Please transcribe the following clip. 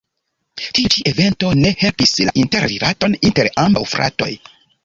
Tiu ĉi evento ne helpis la interrilaton inter ambaŭ fratoj.